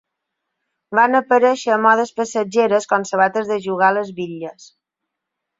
Van aparèixer modes passatgeres com sabates de jugar a les bitlles.